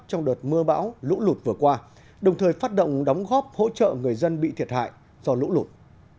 trong đợt mưa bão lũ lụt vừa qua đồng thời phát động đóng góp hỗ trợ người dân bị thiệt hại do lũ lụt